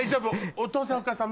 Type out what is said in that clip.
お父さんお母さん